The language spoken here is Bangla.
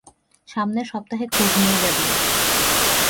সামনের সপ্তাহে খোঁজ নিয়ে যাবেন।